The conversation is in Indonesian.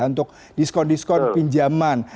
untuk diskon diskon pinjaman